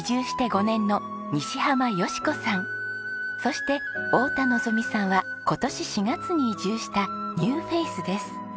そして太田希さんは今年４月に移住したニューフェースです。